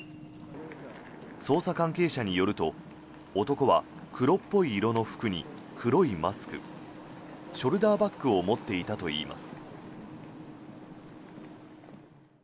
捜査関係者によると男は黒っぽい色の服に黒いマスクショルダーバッグを持っていたといいます。